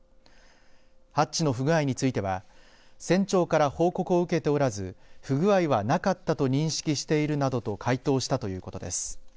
ハッチの不具合については船長から報告を受けておらず不具合はなかったと認識しているなどと回答したということです。